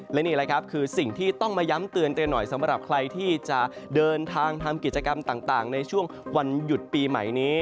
และนี่แหละครับคือสิ่งที่ต้องมาย้ำเตือนหน่อยสำหรับใครที่จะเดินทางทำกิจกรรมต่างในช่วงวันหยุดปีใหม่นี้